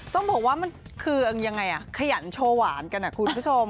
ต้องบอกว่ามันคือยังไงขยันโชว์หวานกันคุณผู้ชม